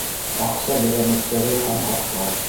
Аҡса берәмектәре һәм хаҡтар